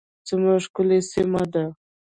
څومره ښکلې سیمه ده